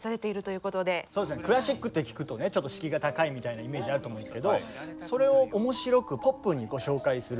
そうですね「クラシック」って聞くとねちょっと敷居が高いみたいなイメージあると思うんですけどそれを面白くポップにご紹介する。